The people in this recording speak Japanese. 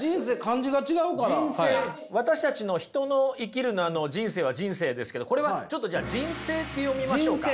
私たちの「人の生きる」のあの「人生」は「人生」ですけどこれはちょっとじゃあ「じんせい」って読みましょうか。